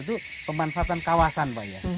itu pemanfaatan kawasan